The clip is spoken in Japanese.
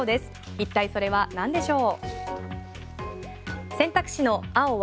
一体それは何でしょう。